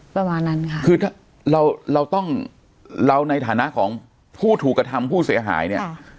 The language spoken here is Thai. ประมาณนั้นค่ะคือถ้าเราเราต้องเราในฐานะของผู้ถูกกระทำผู้เสียหายเนี่ย